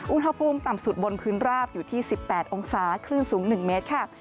อุณหภูมิต่ำสุดบนพื้นราบอยู่ที่๑๘องศาคลื่นสูง๑เมตรค่ะ